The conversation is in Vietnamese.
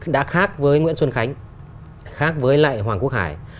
đã khác với nguyễn xuân khánh khác với lại hoàng quốc hải